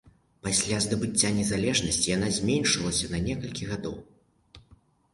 Пасля здабыцця незалежнасці яна зменшылася на некалькі гадоў.